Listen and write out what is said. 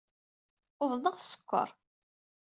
Uḍneɣ sskeṛ.